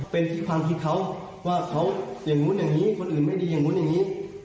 เป็นความคิดเขาว่าเขาอย่างนู้นอย่างนี้คนอื่นไม่ดีอย่างนู้นอย่างนี้